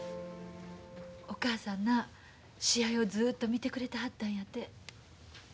お母さんな試合をずっと見てくれてはったんやて。